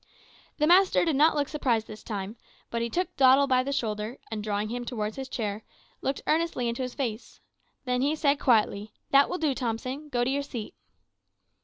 "The master did not look surprised this time, but he took Doddle by the shoulder, and drawing him towards his chair, looked earnestly into his face. Then he said quietly, `That will do, Thompson; go to your seat.'